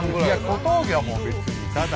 小峠はもう別にただ。